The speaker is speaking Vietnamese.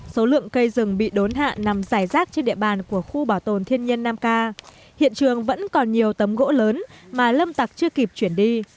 số lượng cây rừng bị đốn hạ nằm dài rác trên địa bàn của khu bảo tồn thiên nhiên năm k hiện trường vẫn còn nhiều tấm gỗ lớn mà lâm tặc chưa kịp chuyển đi